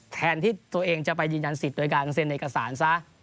แทนที่ตัวเองจะไปยืนยันสิทธิ์โดยการเซ็นเอกสารซะ